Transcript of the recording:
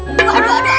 aduh aduh aduh